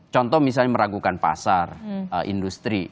contoh misalnya meragukan pasar industri